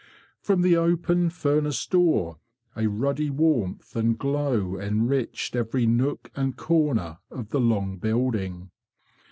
From the open furnace door a ruddy warmth and glow enriched every nook and corner of the long building.